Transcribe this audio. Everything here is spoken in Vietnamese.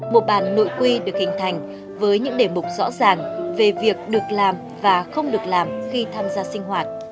một bàn nội quy được hình thành với những đề mục rõ ràng về việc được làm và không được làm khi tham gia sinh hoạt